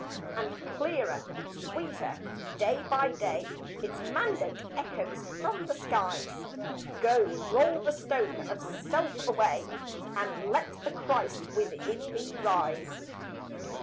And clearer, sweeter, day by day, Its mandate echoes from the skies, "Go roll the stone of self away, And let the Christ within thee rise."